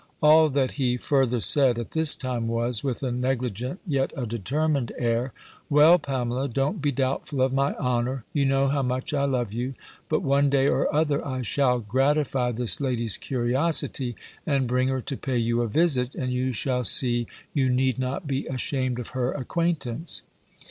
All that he further said at this time was, with a negligent, yet a determined air "Well, Pamela, don't be doubtful of my honour. You know how much I love you. But, one day or other I shall gratify this lady's curiosity, and bring her to pay you a visit, and you shall see you need not be ashamed of her acquaintance."